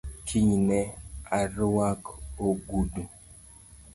Kiny ne aruak ogudu